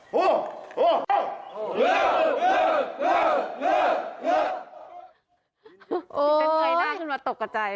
เป็นใครน่าขึ้นมาตกกับใจ